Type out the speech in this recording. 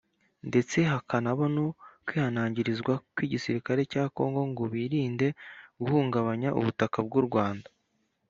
ndetse hakabano no kwihanangirizwa kw’iigisirikare cya Kongo ngo birinde guhungabanya ubutaka bw’u Rwanda